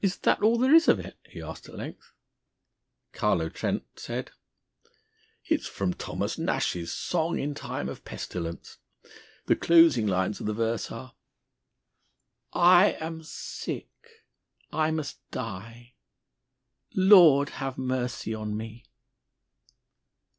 "Is that all there is of it?" he asked at length. Carlo Trent said: "It's from Thomas Nashe's 'Song in Time of Pestilence.' The closing lines of the verse are: "_I am sick, I must die _ _Lord, have mercy on me!